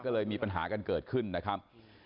ก็เลยมีปัญหากันเกิดขึ้นนะครับ